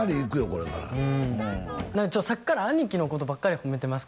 これからさっきから兄貴のことばっかり褒めてます